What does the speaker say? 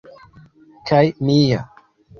kaj mia